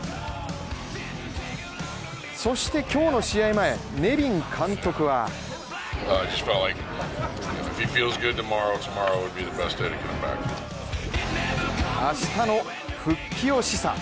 そして今日の試合前、ネビン監督は明日の復帰を示唆。